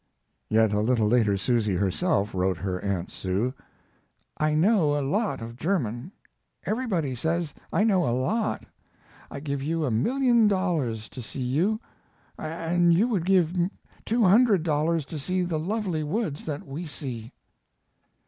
Yet a little later Susy herself wrote her Aunt Sue: I know a lot of German; everybody says I know a lot. I give you a million dollars to see you, and you would give two hundred dollars to see the lovely woods that we see.